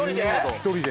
１人で。